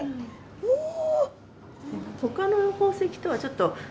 おお！